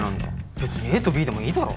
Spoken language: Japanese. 別にＡとＢでもいいだろ。